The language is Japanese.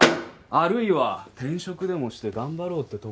あるいは転職でもして頑張ろうってとこか。